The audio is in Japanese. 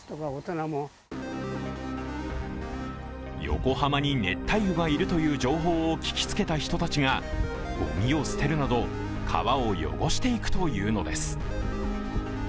横浜に熱帯魚がいるという情報を聞きつけた人たちがゴミを捨てるなど、川を汚していくというのです。